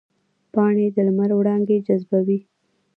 پاڼې د لمر وړانګې جذبوي